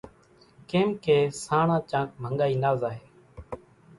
ڪيمڪي سانڻان چانڪ ڀنڳائي نا زائي